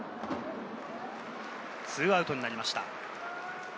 ２アウトになりました。